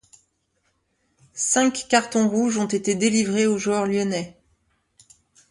Cinq cartons rouges ont été délivrés aux joueurs lyonnais.